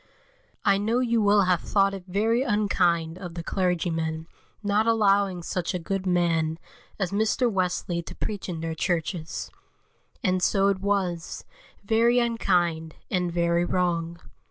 I KNOW you will have thought it very unkind of the clergymen not allowing such a good man as Mr. Wesley to preach in their churches; and so it was, very unkind, and very wrong.